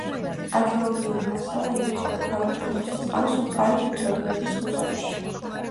არქეოლოგიური მასალა ინახება ქალაქ დედოფლისწყაროს მხარეთმცოდნეობის მუზეუმში.